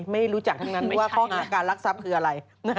ไม่รู้จักทั้งนั้นว่าภาคภาคการลักสับคืออะไร